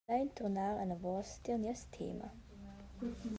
Lein turnar anavos tier nies tema.